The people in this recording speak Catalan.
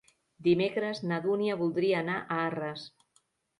Dimecres na Dúnia voldria anar a Arres.